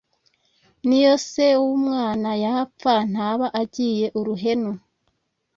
n'iyo se w'umwana yapfa, ntaba agiye uruhenu